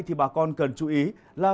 thì bà con cần chú ý là